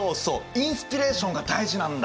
インスピレーションが大事なんだよ。